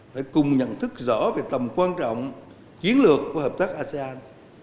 phải cùng nhận thức rõ về tầm quan trọng chiến lược quan trọng quan trọng của asean